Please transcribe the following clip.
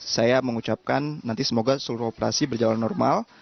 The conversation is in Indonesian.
saya mengucapkan nanti semoga seluruh operasi berjalan normal